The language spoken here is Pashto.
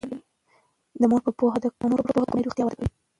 د مور په پوهه کورنی روغتیا وده کوي.